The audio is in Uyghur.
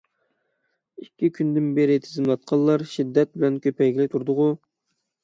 ئىككى كۈندىن بېرى تىزىملاتقانلار شىددەت بىلەن كۆپەيگىلى تۇردىغۇ.